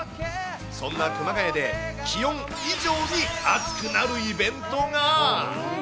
そんな熊谷で、気温以上にあつくなるイベントが。